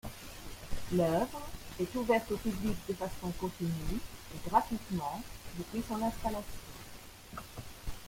L'œuvre est ouverte au public de façon continue et gratuitement depuis son installation.